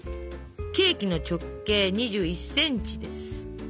ケーキの直径２１センチです。